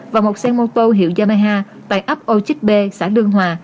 và một xe mô tô hiệu yamaha tại ấp âu chích b xã lương hòa